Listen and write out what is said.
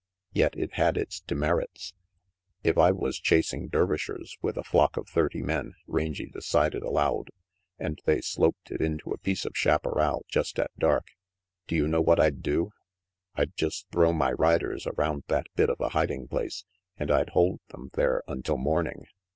Yet it had its demerits. "If I was chasing Dervishers with a flock of thirty men," Rangy decided aloud, "and they sloped it into a piece of chaparral just at dark, do you know what I'd do? I'd just throw my riders around that bit of a hiding place, and I'd hold them there until morning.